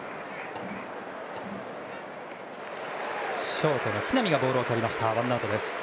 ショートの木浪がボールをとってワンアウトです。